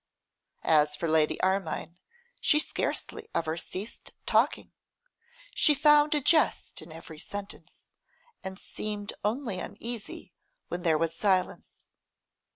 As for Lady Armine, she scarcely ever ceased talking; she found a jest in every sentence, and seemed only uneasy when there was silence.